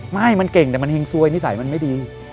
ไม่มันเก่งแต่มันเฮงซวยนิสัยมันไม่ดี